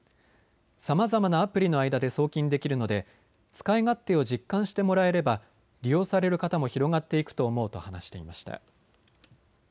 さまざまなアプリの間で送金できるので使い勝手を実感してもらえれば利用される方も広がっていくと思うと話していました。